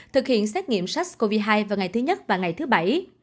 thực hiện xét nghiệm sars cov hai vào ngày thứ nhất và ngày thứ bảy